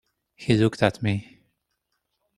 He looked at me.